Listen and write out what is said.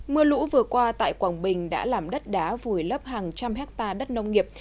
mưa lũ vừa qua tại quảng bình đã làm đất đá vùi lấp hàng trăm hectare đất nông nghiệp